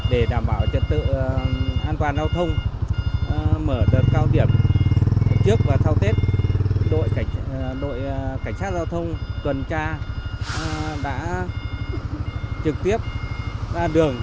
để đảm bảo trật tự an toàn giao thông mở đợt cao điểm trước và sau tết đội cảnh sát giao thông tuần tra đã trực tiếp ra đường